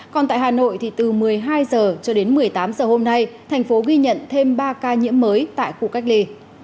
còn tại hà nội thì từ một mươi hai h cho đến một mươi tám h hôm nay thành phố ghi nhận thêm ba ca nhiễm mới tại khu cách ly